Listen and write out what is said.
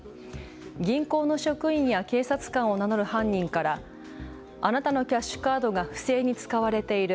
銀行の職員や警察官を名乗る犯人からあなたのキャッシュカードが不正に使われている。